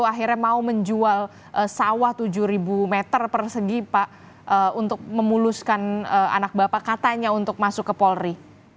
akhirnya mau menjual sawah tujuh ribu meter persegi pak untuk memuluskan anak bapak katanya untuk masuk ke polri